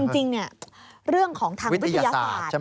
จริงเรื่องของทางวิทยาศาสตร์